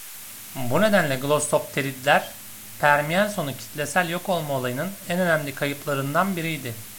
Bu nedenle Glossopteridler, Permiyen sonu kitlesel yok olma olayının en önemli kayıplarından biriydi.